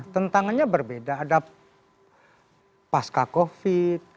tentangannya berbeda ada pasca covid